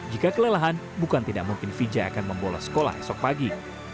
jika kelelahan bukan tidak mungkin vijay akan membolos sekolah esok pagi